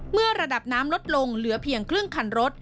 ระดับน้ำลดลงเหลือเพียงครึ่งคันรถ